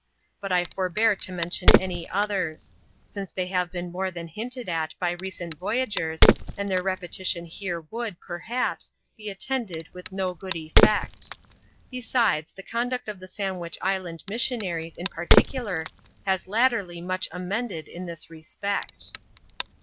But I forbear to mention any others ; since they have been more than hinted at bj recent voyagers, an^^Kraxe^^Xx^oivViare would, CHAP. Mxn.] THE FRENCH AT TAHITL 125 perhaps, be attended with no good effect. Besides, the conduct of the Sandwich Island missionaries, in particular, has latterly much amended in this respect.